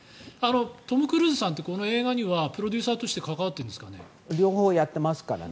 トム・クルーズさんってこの映画にはプロデューサーとして両方やってますからね。